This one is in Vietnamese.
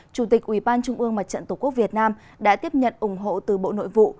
chủ tịch ủy ban trung ương mặt trận tổ quốc việt nam đã tiếp nhận ủng hộ từ bộ nội vụ